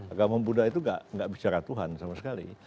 agama buddha itu nggak bicara tuhan sama sekali